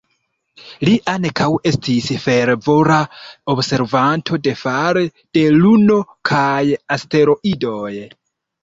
Li ankaŭ estis fervora observanto de fare de Luno kaj asteroidoj.